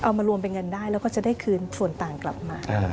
เอามารวมเป็นเงินได้แล้วก็จะได้คืนส่วนต่างกลับมา